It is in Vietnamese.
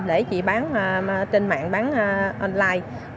để chị bán trên mạng bán online